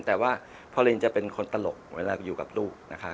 แต่ว่าพอลินจะเป็นคนตลกเวลาอยู่กับลูกนะคะ